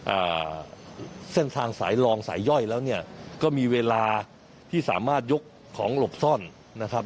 อ่าเส้นทางสายรองสายย่อยแล้วเนี่ยก็มีเวลาที่สามารถยกของหลบซ่อนนะครับ